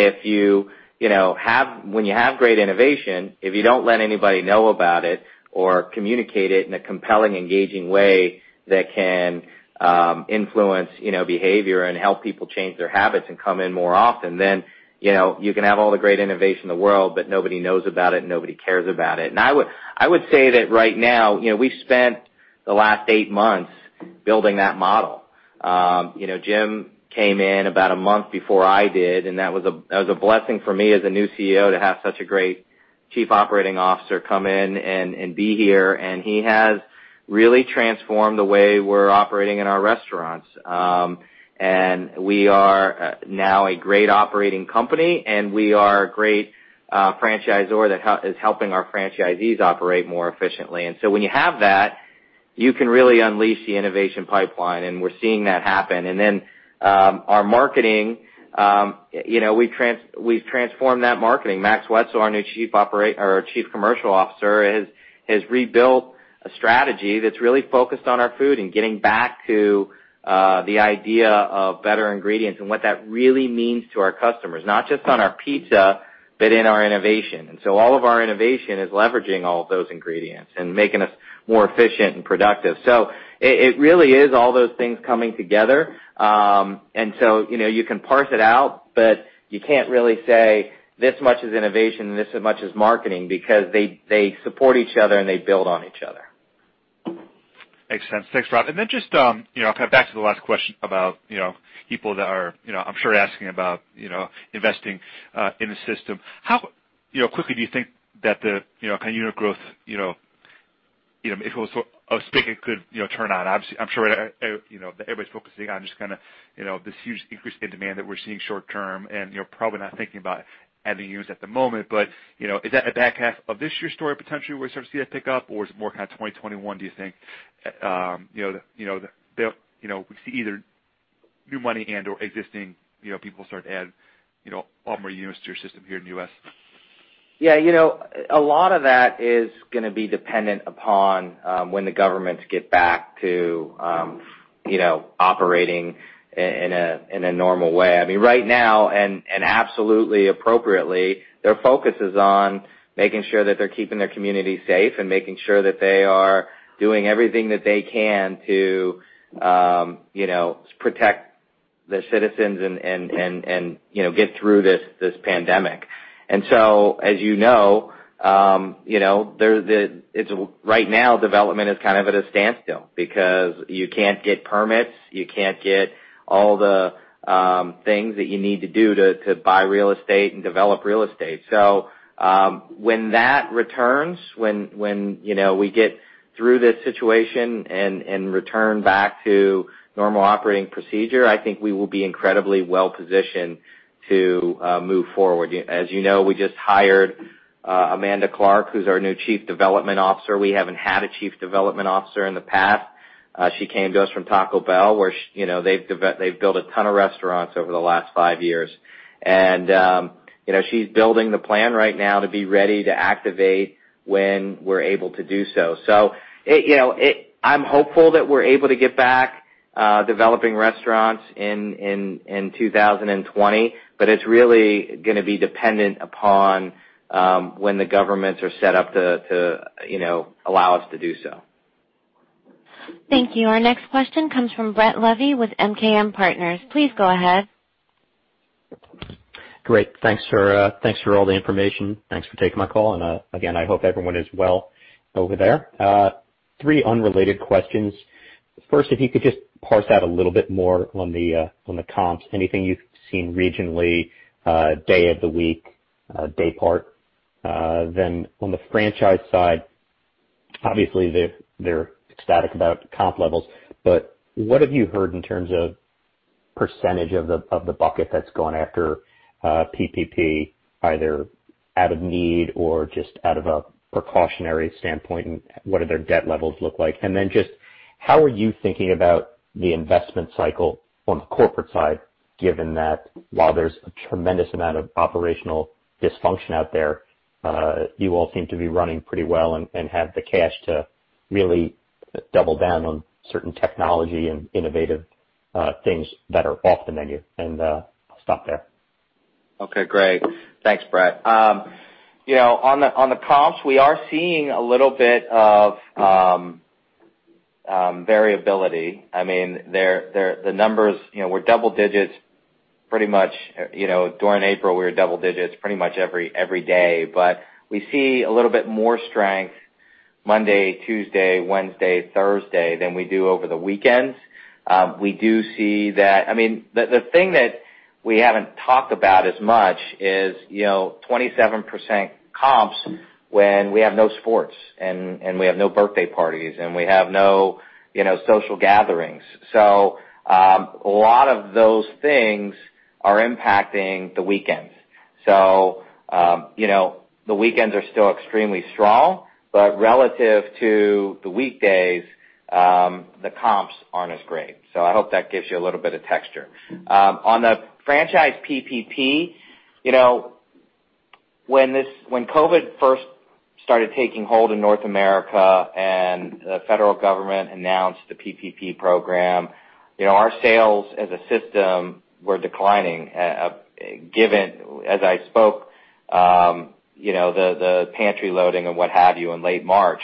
you have great innovation, if you don't let anybody know about it or communicate it in a compelling, engaging way that can influence behavior and help people change their habits and come in more often, then you can have all the great innovation in the world, but nobody knows about it, and nobody cares about it. I would say that right now, we've spent the last eight months building that model. Jim came in about a month before I did, and that was a blessing for me as a new CEO to have such a great Chief Operating Officer come in and be here. He has really transformed the way we're operating in our restaurants. We are now a great operating company, and we are a great franchisor that is helping our franchisees operate more efficiently. When you have that, you can really unleash the innovation pipeline, and we're seeing that happen. Our marketing, we've transformed that marketing. Max Wetzel, our new Chief Commercial Officer, has rebuilt a strategy that's really focused on our food and getting back to the idea of better ingredients and what that really means to our customers. Not just on our pizza, but in our innovation. All of our innovation is leveraging all of those ingredients and making us more efficient and productive. It really is all those things coming together. You can parse it out, but you can't really say this much is innovation and this much is marketing because they support each other, and they build on each other. Makes sense. Thanks, Rob. Then just back to the last question about people that are, I'm sure, asking about investing in the system. How quickly do you think that the unit growth, if it was a spigot could turn on? Obviously, I'm sure that everybody's focusing on just this huge increase in demand that we're seeing short term and probably not thinking about adding units at the moment, but is that a back half of this year story potentially where we start to see that pick up? Or is it more 2021, do you think? We see either new money and/or existing people start to add a lot more units to your system here in the U.S. Yeah. A lot of that is going to be dependent upon when the governments get back to operating in a normal way. Right now, and absolutely appropriately, their focus is on making sure that they're keeping their community safe and making sure that they are doing everything that they can to protect the citizens and get through this pandemic. As you know, right now, development is at a standstill because you can't get permits. You can't get all the things that you need to do to buy real estate and develop real estate. When that returns, when we get through this situation and return back to normal operating procedure, I think we will be incredibly well-positioned to move forward. As you know, we just hired Amanda Clark, who's our new Chief Development Officer. We haven't had a Chief Development Officer in the past. She came to us from Taco Bell, where they've built a ton of restaurants over the last five years. She's building the plan right now to be ready to activate when we're able to do so. I'm hopeful that we're able to get back developing restaurants in 2020, but it's really going to be dependent upon when the governments are set up to allow us to do so. Thank you. Our next question comes from Brett Levy with MKM Partners. Please go ahead. Great. Thanks for all the information. Thanks for taking my call. Again, I hope everyone is well over there. Three unrelated questions. First, if you could just parse out a little bit more on the comps, anything you've seen regionally, day of the week, day part. On the franchise side, obviously they're ecstatic about comp levels, but what have you heard in terms of percentage of the bucket that's gone after PPP, either out of need or just out of a precautionary standpoint? What do their debt levels look like? Then just how are you thinking about the investment cycle on the corporate side, given that while there's a tremendous amount of operational dysfunction out there? You all seem to be running pretty well and have the cash to really double down on certain technology and innovative things that are off the menu, and I'll stop there. Okay, great. Thanks, Brett. On the comps, we are seeing a little bit of variability. I mean, the numbers were double digits pretty much during April. We were double digits pretty much every day. We see a little bit more strength Monday, Tuesday, Wednesday, Thursday than we do over the weekends. The thing that we haven't talked about as much is 27% comps when we have no sports, and we have no birthday parties, and we have no social gatherings. A lot of those things are impacting the weekends. The weekends are still extremely strong, but relative to the weekdays, the comps aren't as great. I hope that gives you a little bit of texture. On the franchise PPP, when COVID first started taking hold in North America, and the federal government announced the PPP program, our sales as a system were declining, given, as I spoke, the pantry loading and what have you in late March.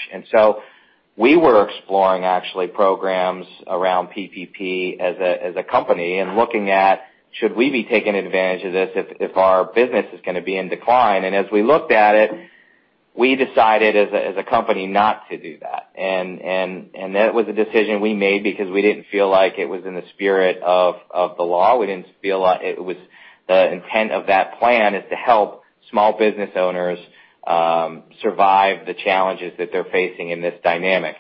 We were exploring actually programs around PPP as a company and looking at should we be taking advantage of this if our business is going to be in decline. As we looked at it, we decided as a company not to do that. That was a decision we made because we didn't feel like it was in the spirit of the law. The intent of that plan is to help small business owners survive the challenges that they're facing in this dynamic.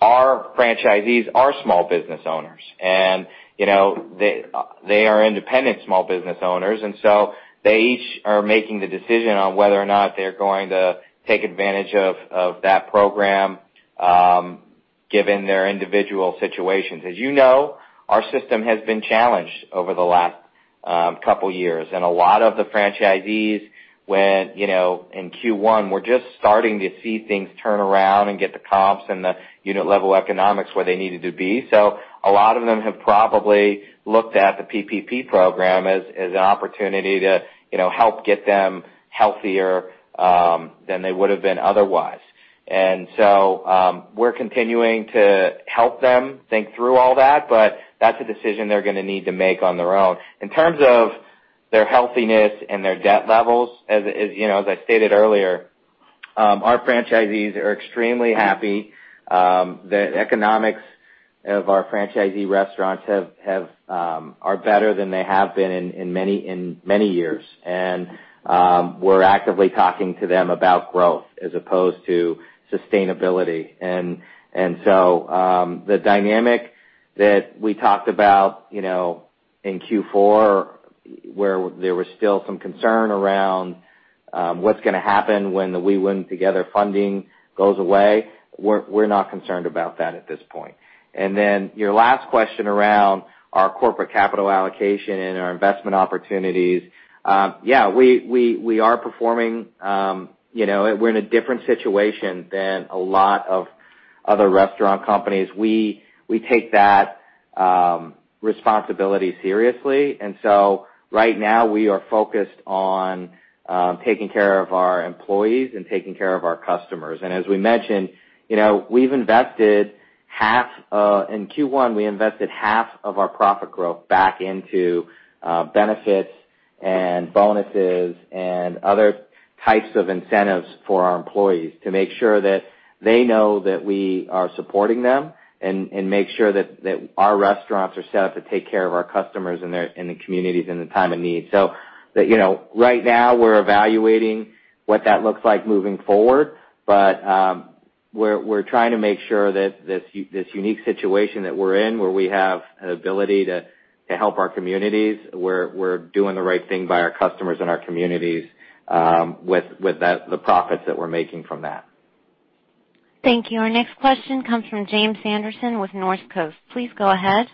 Our franchisees are small business owners, and they are independent small business owners, and so they each are making the decision on whether or not they're going to take advantage of that program given their individual situations. As you know, our system has been challenged over the last couple years, and a lot of the franchisees in Q1 were just starting to see things turn around and get the comps and the unit level economics where they needed to be. A lot of them have probably looked at the PPP program as an opportunity to help get them healthier than they would've been otherwise. We're continuing to help them think through all that, but that's a decision they're going to need to make on their own. In terms of their healthiness and their debt levels, as I stated earlier, our franchisees are extremely happy. The economics of our franchisee restaurants are better than they have been in many years. We're actively talking to them about growth as opposed to sustainability. The dynamic that we talked about in Q4 where there was still some concern around what's going to happen when the We Win Together funding goes away, we're not concerned about that at this point. Then your last question around our corporate capital allocation and our investment opportunities. Yeah, we are performing. We're in a different situation than a lot of other restaurant companies. We take that responsibility seriously. Right now, we are focused on taking care of our employees and taking care of our customers. As we mentioned, in Q1 we invested half of our profit growth back into benefits and bonuses and other types of incentives for our employees to make sure that they know that we are supporting them, and make sure that our restaurants are set up to take care of our customers in the communities in the time of need. Right now we're evaluating what that looks like moving forward, but we're trying to make sure that this unique situation that we're in, where we have an ability to help our communities, we're doing the right thing by our customers and our communities with the profits that we're making from that. Thank you. Our next question comes from James Sanderson with Northcoast. Please go ahead.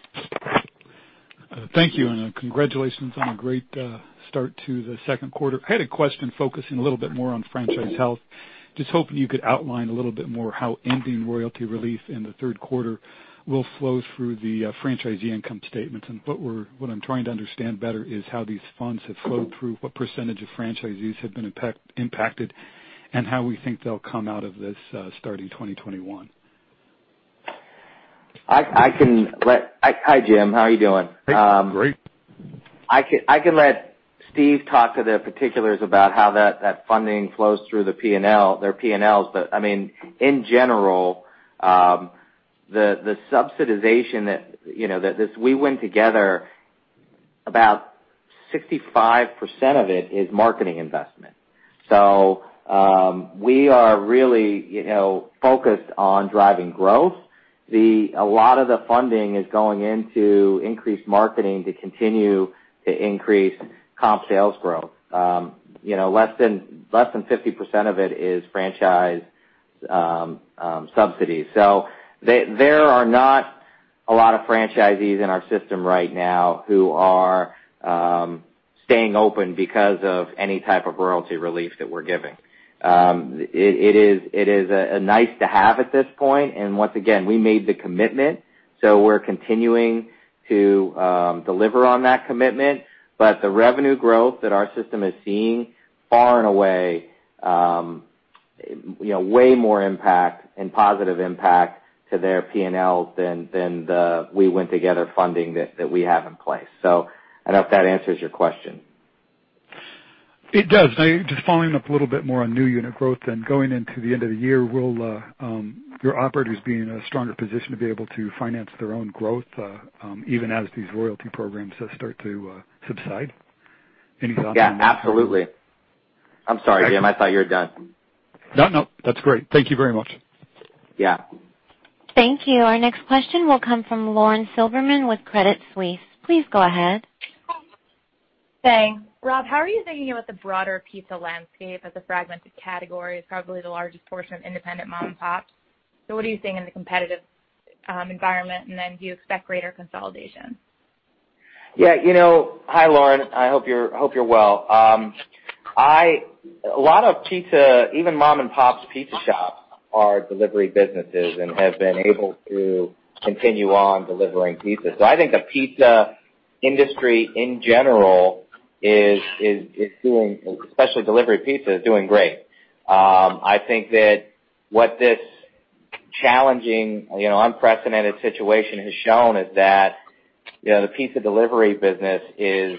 Thank you, and congratulations on a great start to the second quarter. I had a question focusing a little bit more on franchise health. Just hoping you could outline a little bit more how ending royalty relief in the third quarter will flow through the franchisee income statements. What I'm trying to understand better is how these funds have flowed through, what percentage of franchisees have been impacted, and how we think they'll come out of this starting 2021. Hi, Jim. How are you doing? I'm great. I can let Steve talk to the particulars about how that funding flows through their P&Ls. I mean, in general, the subsidization, this We Win Together, about 65% of it is marketing investment. We are really focused on driving growth. A lot of the funding is going into increased marketing to continue to increase comp sales growth. Less than 50% of it is franchise subsidies. There are not a lot of franchisees in our system right now who are staying open because of any type of royalty relief that we're giving. It is nice to have at this point, and once again, we made the commitment, so we're continuing to deliver on that commitment. The revenue growth that our system is seeing far and away, way more impact and positive impact to their P&L than the We Win Together funding that we have in place. I don't know if that answers your question. It does. Just following up a little bit more on new unit growth and going into the end of the year, will your operators be in a stronger position to be able to finance their own growth even as these royalty programs start to subside? Any thoughts on that? Yeah, absolutely. I'm sorry, Jim, I thought you were done. No, that's great. Thank you very much. Yeah. Thank you. Our next question will come from Lauren Silberman with Credit Suisse. Please go ahead. Thanks. Rob, how are you thinking about the broader pizza landscape as a fragmented category? It's probably the largest portion of independent mom-and-pops. What are you seeing in the competitive environment, and then do you expect greater consolidation? Yeah. Hi, Lauren. I hope you're well. A lot of pizza, even mom-and-pops pizza shops, are delivery businesses and have been able to continue on delivering pizza. I think the pizza industry in general, especially delivery pizza, is doing great. I think that what this challenging, unprecedented situation has shown is that the pizza delivery business is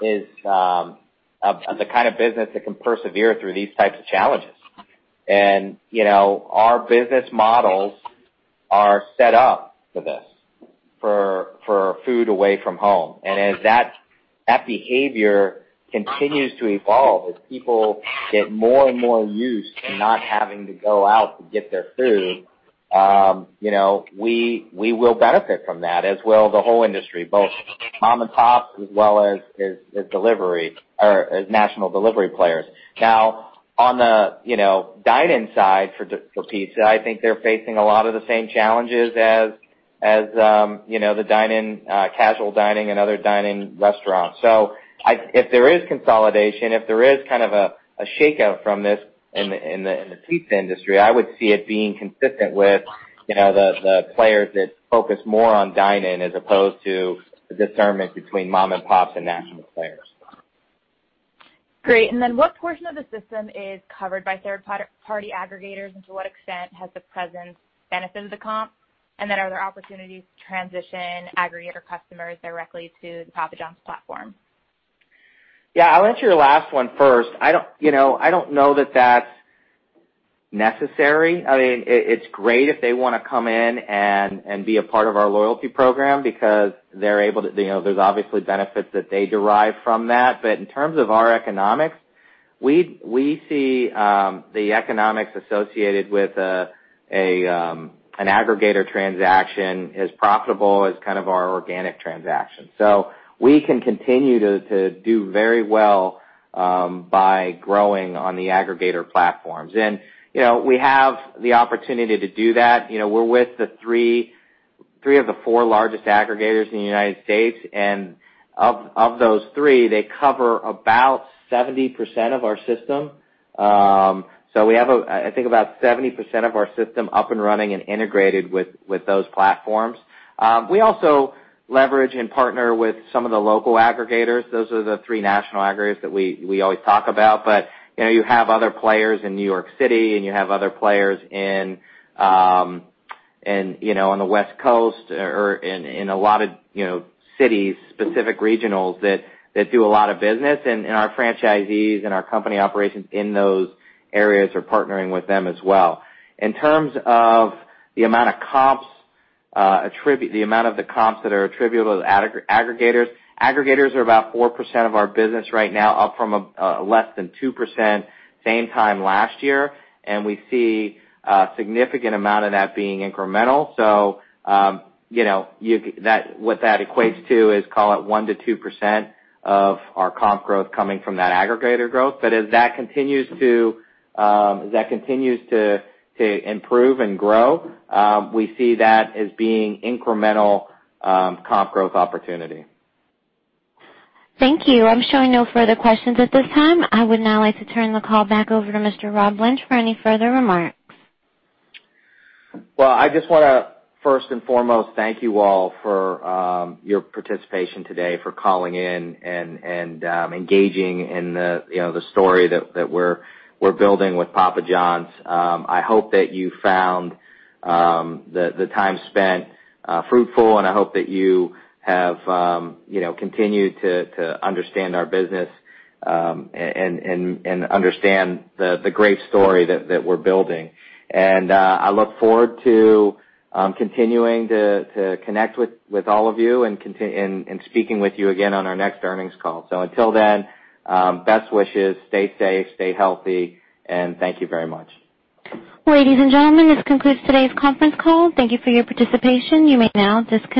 the kind of business that can persevere through these types of challenges. Our business models are set up for this, for food away from home. As that behavior continues to evolve, as people get more and more used to not having to go out to get their food, we will benefit from that, as will the whole industry, both mom-and-pops as well as delivery or as national delivery players. On the dine-in side for pizza, I think they're facing a lot of the same challenges as the casual dining and other dine-in restaurants. If there is consolidation, if there is a shakeout from this in the pizza industry, I would see it being consistent with the players that focus more on dine-in as opposed to the discernment between mom-and-pops and national players. Great. What portion of the system is covered by third-party aggregators, and to what extent has the presence benefited the comp? Are there opportunities to transition aggregator customers directly to the Papa John's platform? Yeah, I'll answer your last one first. I don't know that that's necessary. It's great if they want to come in and be a part of our loyalty program because there's obviously benefits that they derive from that. In terms of our economics, we see the economics associated with an aggregator transaction as profitable as our organic transaction. We can continue to do very well by growing on the aggregator platforms. We have the opportunity to do that. We're with three of the four largest aggregators in the United States, of those three, they cover about 70% of our system. We have, I think, about 70% of our system up and running and integrated with those platforms. We also leverage and partner with some of the local aggregators. Those are the three national aggregators that we always talk about. You have other players in New York City, and you have other players on the West Coast or in a lot of cities, specific regionals that do a lot of business. Our franchisees and our company operations in those areas are partnering with them as well. In terms of the amount of the comps that are attributable to the aggregators are about 4% of our business right now, up from less than 2% same time last year. We see a significant amount of that being incremental. What that equates to is, call it 1%-2% of our comp growth coming from that aggregator growth. As that continues to improve and grow, we see that as being incremental comp growth opportunity. Thank you. I'm showing no further questions at this time. I would now like to turn the call back over to Mr. Rob Lynch for any further remarks. Well, I just want to first and foremost thank you all for your participation today, for calling in and engaging in the story that we're building with Papa John's. I hope that you found the time spent fruitful, and I hope that you have continued to understand our business and understand the great story that we're building. I look forward to continuing to connect with all of you and speaking with you again on our next earnings call. Until then, best wishes. Stay safe, stay healthy, and thank you very much. Ladies and gentlemen, this concludes today's conference call. Thank you for your participation. You may now disconnect.